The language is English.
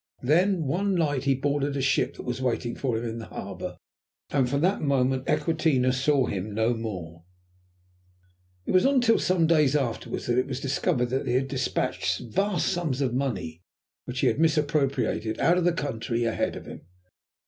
Then, one night he boarded a ship that was waiting for him in the harbour, and from that moment Equinata saw him no more. It was not until some days afterwards that it was discovered that he had despatched vast sums of money, which he had misappropriated, out of the country, ahead of him.